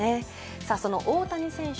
さあその大谷選手